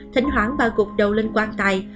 thỉnh thoảng bà gục đầu lên quang tay